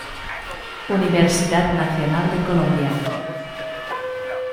Universidad nacional de Colombia.